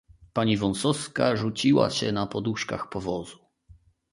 "Pani Wąsowska rzuciła się na poduszkach powozu."